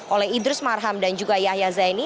oleh idrus marham dan juga yahya zaini